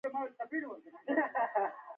د زړه حملې مخنیوي لپاره ځانګړي درمل شته.